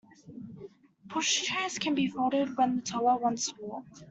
Pushchairs can be folded when the toddler wants to walk